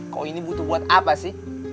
kok ini butuh buat apa sih